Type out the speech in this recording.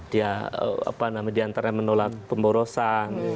dia apa namanya diantara menolak pemborosan